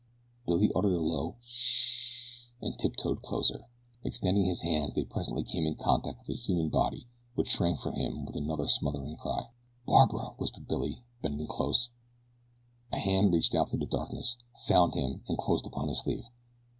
Billy uttered a low: "S s sh!" and tiptoed closer. Extending his hands they presently came in contact with a human body which shrank from him with another smothered cry. "Barbara!" whispered Billy, bending closer. A hand reached out through the darkness, found him, and closed upon his sleeve.